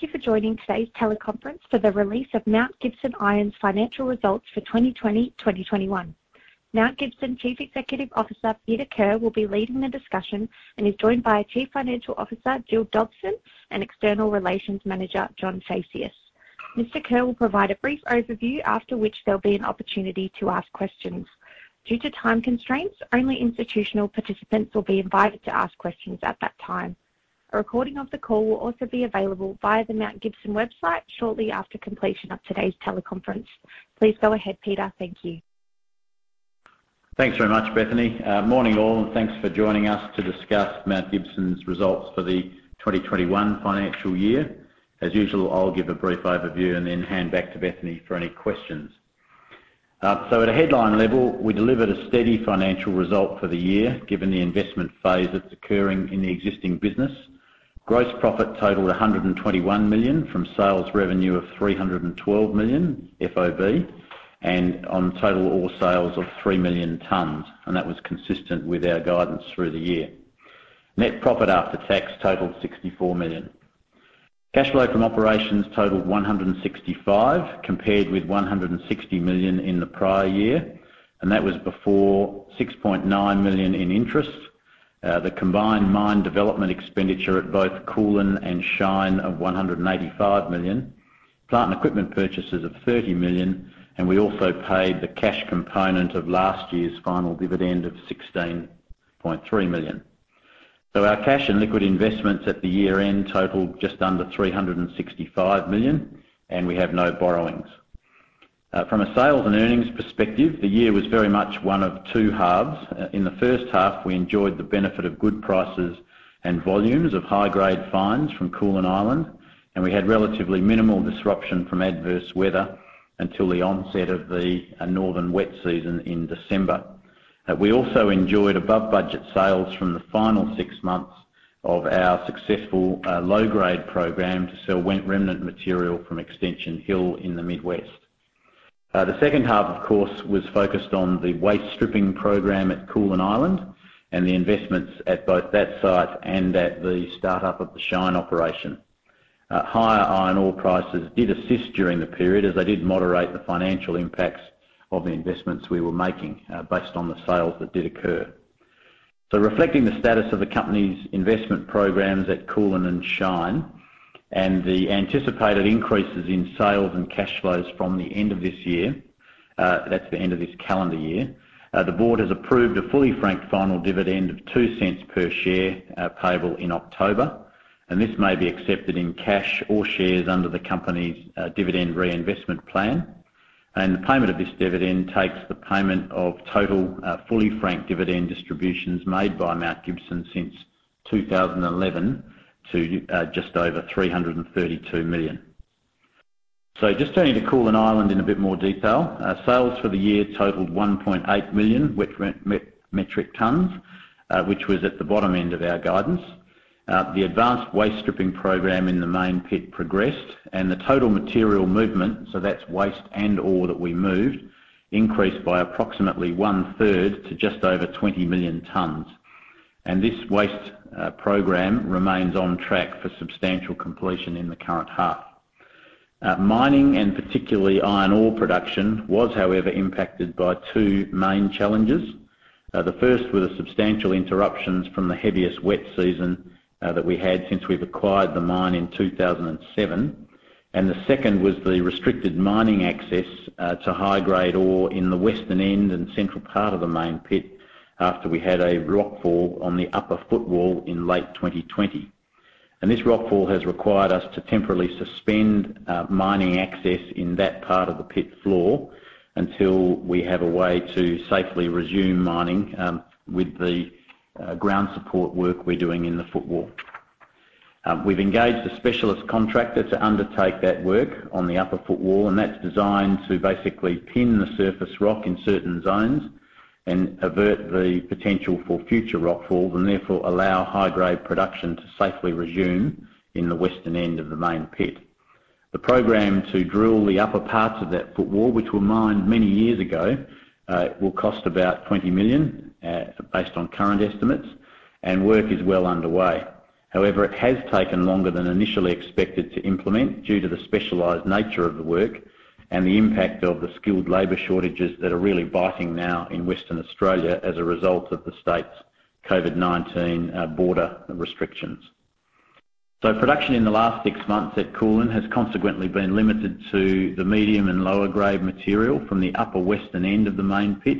Thank you for joining today's teleconference for the release of Mount Gibson Iron's Financial Results for 2020/2021. Mount Gibson Chief Executive Officer, Peter Kerr, will be leading the discussion and is joined by Chief Financial Officer, Gillian Dobson, and External Relations, John Phaceas. Mr. Kerr will provide a brief overview, after which there'll be an opportunity to ask questions. Due to time constraints, only institutional participants will be invited to ask questions at that time. A recording of the call will also be available via the Mount Gibson website shortly after completion of today's teleconference. Please go ahead, Peter. Thank you. Thanks very much, Bethany. Morning, all, and thanks for joining us to discuss Mount Gibson's results for the 2021 financial year. As usual, I'll give a brief overview and then hand back to Bethany for any questions. At a headline level, we delivered a steady financial result for the year, given the investment phase that's occurring in the existing business. Gross profit totaled 121 million from sales revenue of 312 million FOB and on total ore sales of 3 million tons, and that was consistent with our guidance through the year. Net profit after tax totaled 64 million. Cash flow from operations totaled 165 compared with 160 million in the prior year, and that was before 6.9 million in interest. The combined mine development expenditure at both Koolan and Shine of 185 million. Plant and equipment purchases of 30 million. We also paid the cash component of last year's final dividend of 16.3 million. Our cash and liquid investments at the year-end totaled just under 365 million. We have no borrowings. From a sales and earnings perspective, the year was very much one of two halves. In the first half, we enjoyed the benefit of good prices and volumes of high-grade fines from Koolan Island. We had relatively minimal disruption from adverse weather until the onset of the northern wet season in December. We also enjoyed above-budget sales from the final six months of our successful low-grade program to sell remnant material from Extension Hill in the Midwest. The second half, of course, was focused on the waste stripping program at Koolan Island and the investments at both that site and at the start-up of the Shine operation. Higher iron ore prices did assist during the period as they did moderate the financial impacts of the investments we were making based on the sales that did occur. Reflecting the status of the company's investment programs at Koolan and Shine and the anticipated increases in sales and cash flows from the end of this year, that's the end of this calendar year. The board has approved a fully franked final dividend of 0.02 per share payable in October, this may be accepted in cash or shares under the company's dividend reinvestment plan. The payment of this dividend takes the payment of total fully franked dividend distributions made by Mount Gibson since 2011 to just over 332 million. Just turning to Koolan Island in a bit more detail. Sales for the year totaled 1.8 million metric tons which was at the bottom end of our guidance. The advanced waste stripping program in the main pit progressed and the total material movement, so that's waste and ore that we moved, increased by approximately one-third to just over 20 million tons. This waste program remains on track for substantial completion in the current half. Mining and particularly iron ore production was, however, impacted by two main challenges. The first were the substantial interruptions from the heaviest wet season that we had since we've acquired the mine in 2007, and the second was the restricted mining access to high-grade ore in the western end and central part of the main pit after we had a rockfall on the upper footwall in late 2020. This rockfall has required us to temporarily suspend mining access in that part of the pit floor until we have a way to safely resume mining with the ground support work we're doing in the footwall. We've engaged a specialist contractor to undertake that work on the upper footwall, that's designed to basically pin the surface rock in certain zones and avert the potential for future rockfalls and therefore allow high-grade production to safely resume in the western end of the main pit. The program to drill the upper parts of that footwall, which were mined many years ago, will cost about 20 million, based on current estimates, work is well underway. However, it has taken longer than initially expected to implement due to the specialized nature of the work and the impact of the skilled labor shortages that are really biting now in Western Australia as a result of the state's COVID-19 border restrictions. Production in the last six months at Koolan has consequently been limited to the medium and lower grade material from the upper western end of the main pit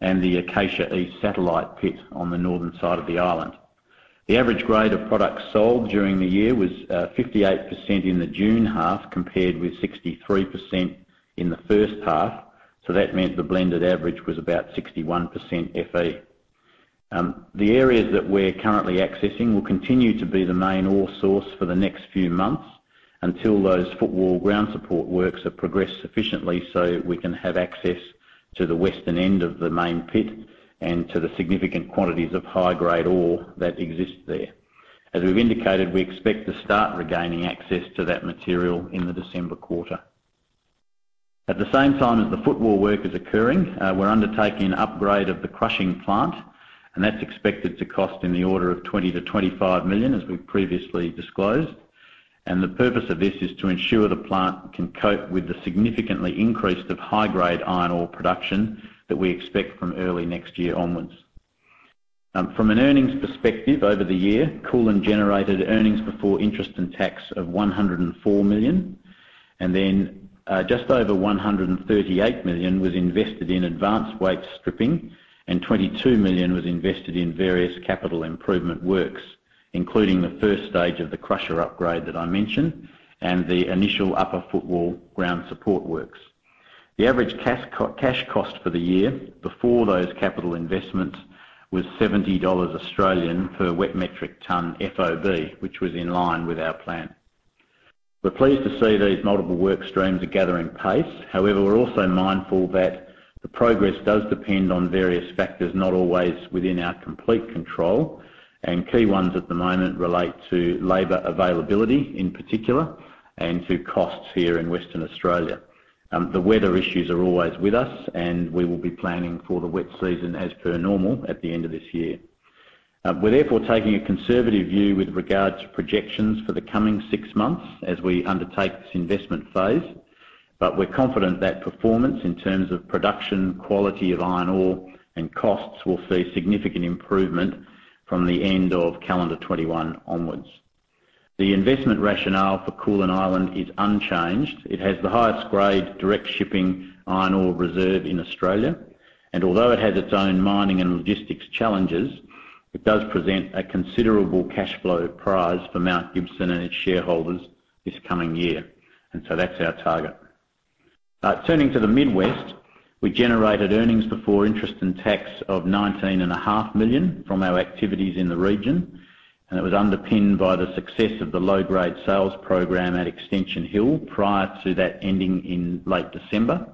and the Acacia East satellite pit on the northern side of the island. The average grade of product sold during the year was 58% in the June half compared with 63% in the first half. That meant the blended average was about 61% FE. The areas that we're currently accessing will continue to be the main ore source for the next few months until those footwall ground support works have progressed sufficiently so we can have access to the western end of the main pit and to the significant quantities of high-grade ore that exist there. As we've indicated, we expect to start regaining access to that material in the December quarter. At the same time as the footwall work is occurring, we're undertaking an upgrade of the crushing plant, and that's expected to cost in the order of 20 million to 25 million, as we've previously disclosed. The purpose of this is to ensure the plant can cope with the significantly increased high-grade iron ore production that we expect from early next year onwards. From an earnings perspective over the year, Koolan generated earnings before interest and tax of 104 million, and then just over 138 million was invested in advanced waste stripping, and 22 million was invested in various capital improvement works, including the first stage of the crusher upgrade that I mentioned and the initial upper footwall ground support works. The average cash cost for the year before those capital investments was 70 Australian dollars per wet metric ton FOB, which was in line with our plan. We're pleased to see these multiple work streams are gathering pace. We're also mindful that the progress does depend on various factors not always within our complete control, and key ones at the moment relate to labor availability in particular, and to costs here in Western Australia. The weather issues are always with us. We will be planning for the wet season as per normal at the end of this year. We're therefore taking a conservative view with regards to projections for the coming six months as we undertake this investment phase. We're confident that performance in terms of production, quality of iron ore, and costs will see significant improvement from the end of calendar 2021 onwards. The investment rationale for Koolan Island is unchanged. It has the highest grade direct shipping iron ore reserve in Australia, and although it has its own mining and logistics challenges, it does present a considerable cash flow prize for Mount Gibson and its shareholders this coming year. That's our target. Turning to the Midwest, we generated earnings before interest and tax of 19.5 million from our activities in the region. It was underpinned by the success of the low-grade sales program at Extension Hill prior to that ending in late December.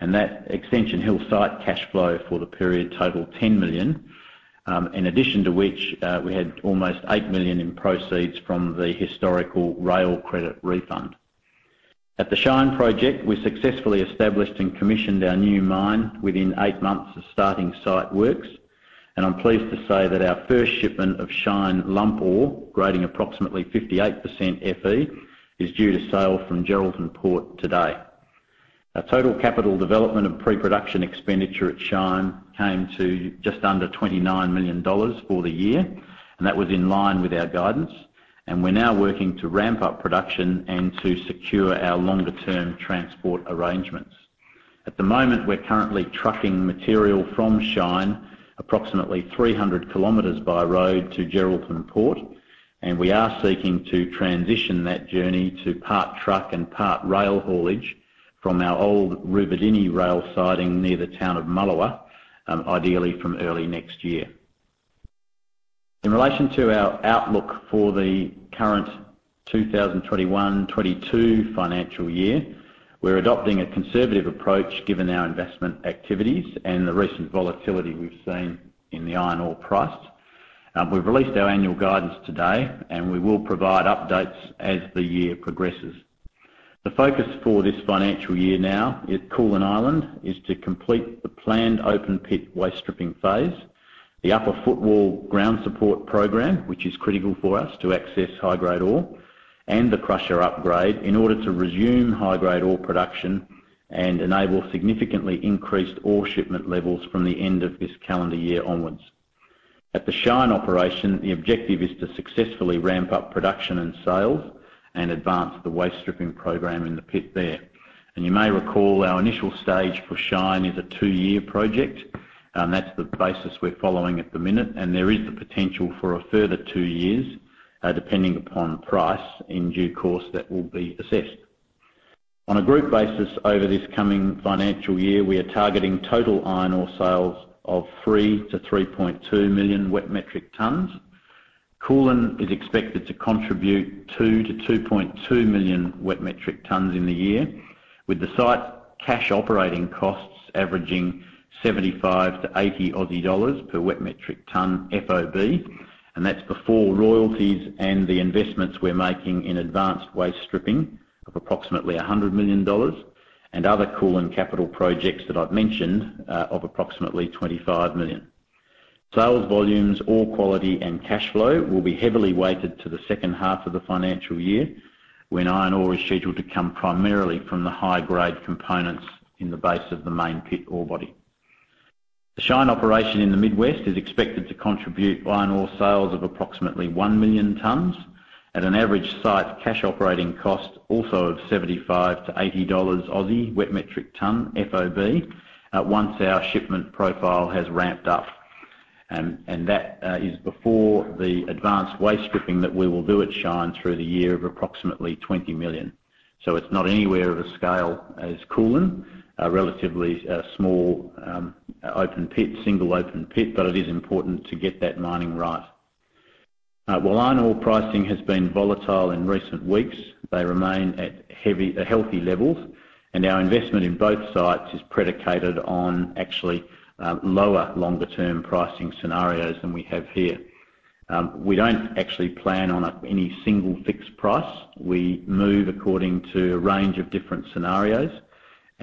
That Extension Hill site cash flow for the period totaled 10 million, in addition to which we had almost 8 million in proceeds from the historical rail credit refund. At the Shine project, we successfully established and commissioned our new mine within eight months of starting site works. I'm pleased to say that our first shipment of Shine lump ore, grading approximately 58% FE, is due to sail from Geraldton Port today. Our total capital development of pre-production expenditure at Shine came to just under 29 million dollars for the year, and that was in line with our guidance. We're now working to ramp up production and to secure our longer term transport arrangements. At the moment, we're currently trucking material from Shine approximately 300 km by road to Geraldton Port, and we are seeking to transition that journey to part truck and part rail haulage from our old Perenjori rail siding near the town of Mullewa, ideally from early next year. In relation to our outlook for the current 2021, 2022 financial year, we're adopting a conservative approach given our investment activities and the recent volatility we've seen in the iron ore price. We've released our annual guidance today, and we will provide updates as the year progresses. The focus for this financial year now at Koolan Island is to complete the planned open pit waste stripping phase, the upper footwall ground support program, which is critical for us to access high-grade ore, and the crusher upgrade in order to resume high-grade ore production and enable significantly increased ore shipment levels from the end of this calendar year onwards. At the Shine operation, the objective is to successfully ramp up production and sales and advance the waste stripping program in the pit there. You may recall our initial stage for Shine is a two-year project, and that's the basis we're following at the minute, and there is the potential for a further two years, depending upon price. In due course, that will be assessed. On a group basis over this coming financial year, we are targeting total iron ore sales of 3 to 3.2 million wet metric tons. Koolan is expected to contribute 2 to 2.2 million wet metric tons in the year, with the site cash operating costs averaging 75 to 80 Aussie dollars per wet metric ton FOB. That's before royalties and the investments we're making in advanced waste stripping of approximately 100 million dollars and other Koolan capital projects that I've mentioned of approximately 25 million. Sales volumes, ore quality, and cash flow will be heavily weighted to the second half of the financial year when iron ore is scheduled to come primarily from the high-grade components in the base of the main pit ore body. The Shine operation in the Midwest is expected to contribute iron ore sales of approximately 1 million tons at an average site cash operating cost also of AU$75 to 80 Aussie dollars wet metric ton FOB once our shipment profile has ramped up. That is before the advanced waste stripping that we will do at Shine through the year of approximately 20 million. It's not anywhere of a scale as Koolan, a relatively small open pit, single open pit, but it is important to get that mining right. While iron ore pricing has been volatile in recent weeks, they remain at healthy levels, and our investment in both sites is predicated on actually lower longer term pricing scenarios than we have here. We don't actually plan on any single fixed price. We move according to a range of different scenarios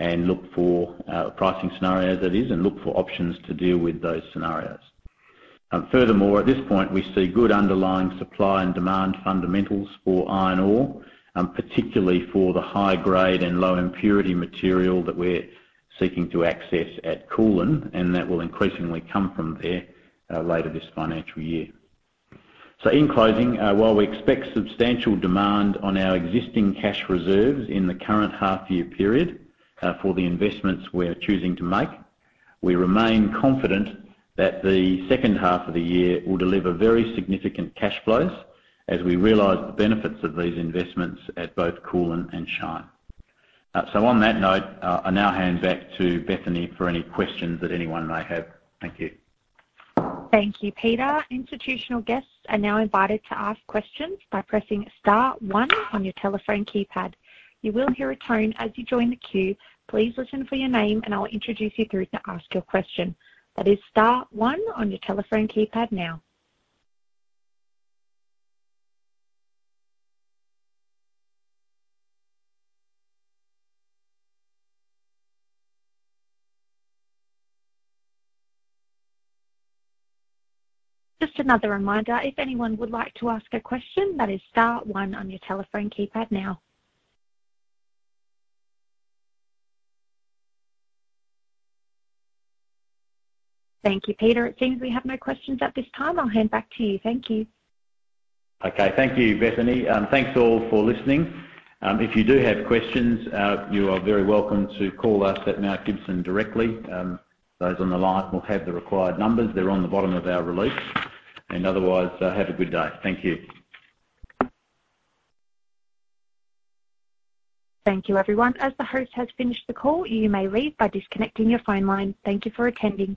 and look for pricing scenarios, that is, and look for options to deal with those scenarios. At this point, we see good underlying supply and demand fundamentals for iron ore, and particularly for the high grade and low impurity material that we're seeking to access at Koolan, and that will increasingly come from there later this financial year. In closing, while we expect substantial demand on our existing cash reserves in the current half year period for the investments we are choosing to make, we remain confident that the second half of the year will deliver very significant cash flows as we realize the benefits of these investments at both Koolan and Shine. On that note, I now hand back to Bethany for any questions that anyone may have. Thank you. Thank you, Peter. Institutional guests are now invited to ask questions by pressing star one on your telephone keypad. You will hear a tone as you join the queue. Please listen for your name and I will introduce you through to ask your question. That is star one on your telephone keypad now. Just another reminder, if anyone would like to ask a question, that is star one on your telephone keypad now. Thank you, Peter. It seems we have no questions at this time. I'll hand back to you. Thank you. Okay. Thank you, Bethany. Thanks all for listening. If you do have questions, you are very welcome to call us at Mount Gibson directly. Those on the line will have the required numbers. They're on the bottom of our release. Otherwise, have a good day. Thank you. Thank you, everyone. As the host has finished the call, you may leave by disconnecting your phone line. Thank you for attending.